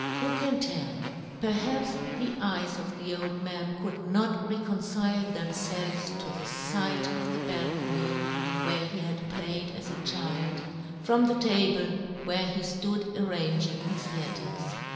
Who can tell ? Perhaps the eyes of the old man could not re concile themfelves to the fight of the John Gutenberg. 37 balcony, where he had played as a child, from the table where he flood arranging his letters.